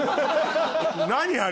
何あれ。